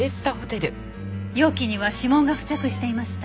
容器には指紋が付着していました。